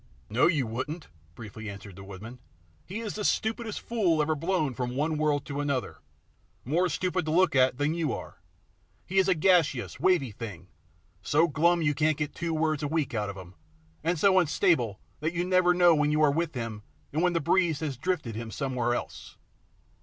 "No you wouldn't," briefly answered the woodman. "He is the stupidest fool ever blown from one world to another more stupid to look at than you are. He is a gaseous, wavey thing, so glum you can't get two words a week out of him, and so unstable that you never know when you are with him and when the breeze has drifted him somewhere else."